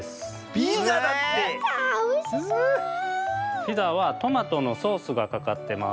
ピザはトマトのソースがかかってます。